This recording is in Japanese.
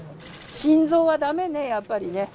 心臓はだめね、やっぱりね。